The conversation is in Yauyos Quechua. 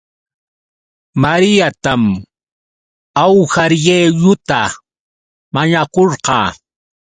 Mariatam awhariieuta mañakurqaa